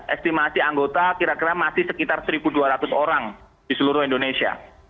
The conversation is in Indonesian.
estimasi anggota kira kira masih sekitar satu dua ratus orang di seluruh indonesia